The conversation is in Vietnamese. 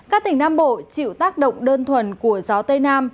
các tỉnh nam bộ chịu tác động đơn thuần của gió tây nam